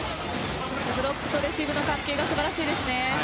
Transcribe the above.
ブロックとレシーブの関係が素晴らしいですね。